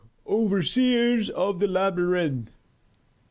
"Overseers of the labyrinth."